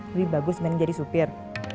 lebih bagus main jadi supir